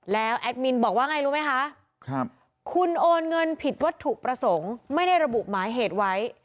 แล้วแอดมินบอกว่าไงรู้ไหมคะคุณโอนเงินผิดวัตถุประสงค์ไม่ได้ระบุหมายเหตุไว้